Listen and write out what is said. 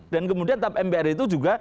dan kemudian tap mpr itu juga